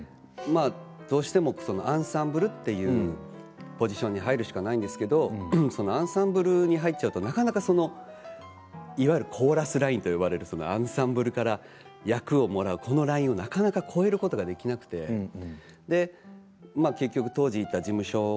どうしてもアンサンブルというポジションに入るしかないんですけどアンサンブルに入ってしまうとなかなかコーラスラインと呼ばれるアンサンブルから役をもらうラインがなかなか超えることができないんです。